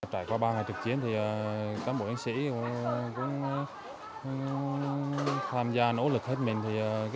trải qua ba ngày trực chiến các bộ chiến sĩ cũng tham gia nỗ lực hết mình